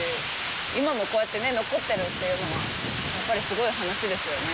今もこうやって、残ってるっていうのはやっぱりすごい話ですよね。